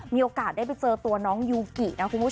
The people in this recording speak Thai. มีโอกาสได้เจอตัวยูกิ